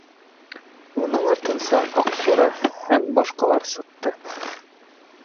Уның артынса Аҡсура һәм башҡалар сыҡты.